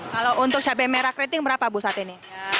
kalau untuk cabai merah keriting berapa bu saat ini